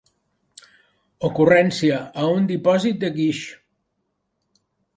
Ocurrència: a un dipòsit de guix.